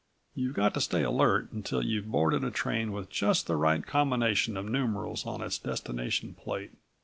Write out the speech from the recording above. You've got to stay alert until you've boarded a train with just the right combination of numerals on its destination plate.